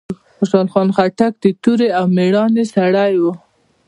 خوشحال خان خټک د توری او ميړانې سړی وه.